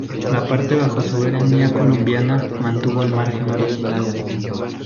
La parte bajo soberanía colombiana mantuvo el nombre original.